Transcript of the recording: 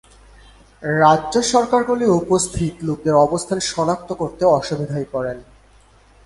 রাজ্য সরকারগুলি উপস্থিত লোকদের অবস্থান সনাক্ত করতে অসুবিধায় পড়ে।